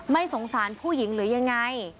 ไม่สงสารผู้หญิงหรือยังไง